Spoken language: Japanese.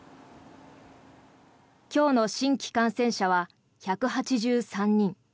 今日の新規感染者は１８３人。